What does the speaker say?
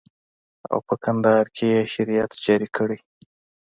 او په کندهار کښې يې شريعت جاري کړى.